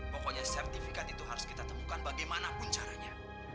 pokoknya sertifikat itu harus kita temukan bagaimanapun caranya